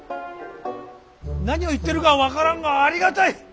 何を言ってるか分からんがありがたい！